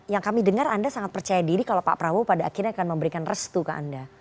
yang kami dengar anda sangat percaya diri kalau pak prabowo pada akhirnya akan memberikan restu ke anda